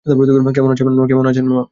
কেমন আছেন মামা?